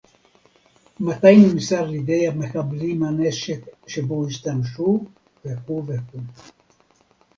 מתי נמסר לידי המחבלים הנשק שבו השתמשו וכו' וכו'